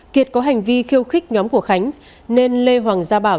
kiệt có hành vi khiêu khích nhóm của khánh nên lê hoàng gia bảo